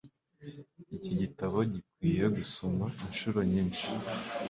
Iki gitabo gikwiye gusoma inshuro nyinshi.